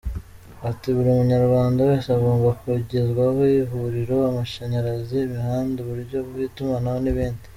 Ati “buri Munyarwanda wese, agomba kugezwaho, ivuriro, amashanyarazi, imihanda, uburyo bw’itumanaho n’ibindi.